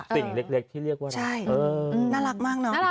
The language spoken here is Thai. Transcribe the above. สิ่งเล็กที่เรียกว่าน่ารักมากเนอะ